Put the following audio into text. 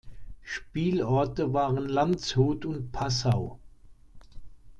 Spielorte waren Landshut und Passau.